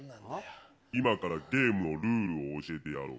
今からゲームのルールを教えてやろう。